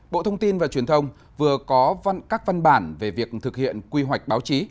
bộ thông tin và truyền thông vừa có các văn bản về việc thực hiện quy hoạch báo chí